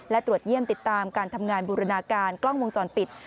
และตรวจเยี่ยมติดตามการทำงานบูรณาการกล้องวงจรปิด